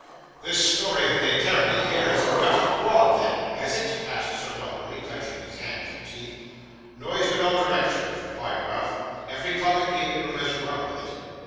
'This story that they tell me here, has got abroad then, has it?' asked Sir Mulberry, clenching his hands and teeth. 'Noised in all directions,' replied Ralph. 'Every club and gaming room has rung with it.